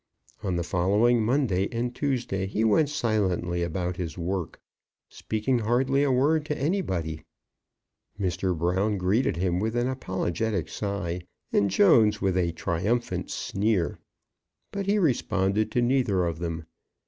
On the following Monday and Tuesday he went silently about his work, speaking hardly a word to anybody. Mr. Brown greeted him with an apologetic sigh, and Jones with a triumphant sneer; but he responded to neither of them.